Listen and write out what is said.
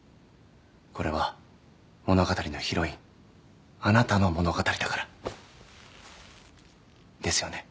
これは物語のヒロインあなたの物語だからですよね？